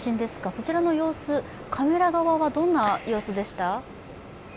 そちらの様子、カメラ側はどんな様子でした？